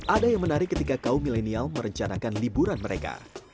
ada yang menarik ketika kaum milenial merencanakan liburan mereka